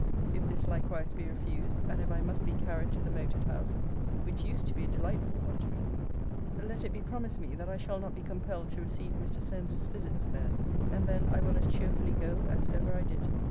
If this likewise be refused, and if I must be carried to the moated house, which used to be a delightful one to me, let it be promised me, that I shall not be compelled to receive Mr. Solmes's visits there; and then I will as cheerfully go, as ever I did.